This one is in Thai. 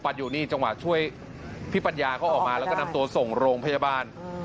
อยู่นี่จังหวะช่วยพี่ปัญญาเขาออกมาแล้วก็นำตัวส่งโรงพยาบาล